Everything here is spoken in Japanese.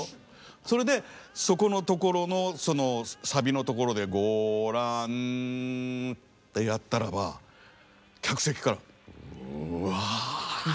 それでそこのところのサビのところで「ごらん」ってやったらば客席からうわっ。